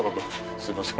すみません。